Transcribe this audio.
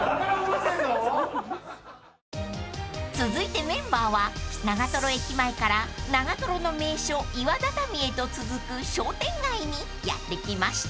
［続いてメンバーは長瀞駅前から長瀞の名所岩畳へと続く商店街にやって来ました］